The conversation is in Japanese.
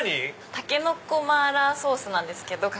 タケノコ麻辣ソースなんです。